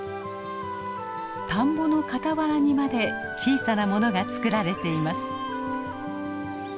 田んぼの傍らにまで小さなものが作られています。